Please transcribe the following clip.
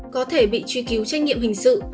có thể bị truy cứu trách nhiệm hình sự